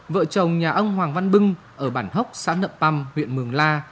vợ chồng nhà ông hoàng văn bưng ở bản hốc xã nậm păm huyện mường la